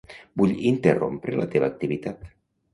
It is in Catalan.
Vull interrompre la teva activitat.